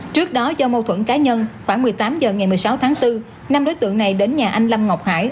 trước đó do mâu thuẫn cá nhân khoảng một mươi tám h ngày một mươi sáu tháng bốn năm đối tượng này đến nhà anh lâm ngọc hải